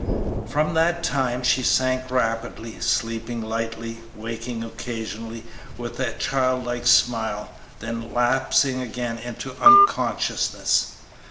'" From that time she sank rapidly, sleeping lightly, waking occasionally with a child like smile, then lapsing again into unconsciousness.